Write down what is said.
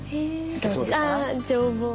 どうですか？